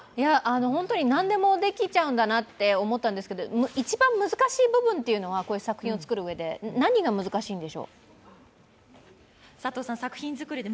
本当に何でもできちゃうんだなって思ったんですけど一番難しい部分というのは、作品を作るうえで、何が一番難しいんでしょう？